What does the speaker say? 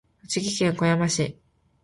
栃木県小山市